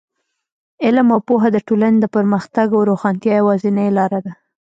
علم او پوهه د ټولنې د پرمختګ او روښانتیا یوازینۍ لاره ده.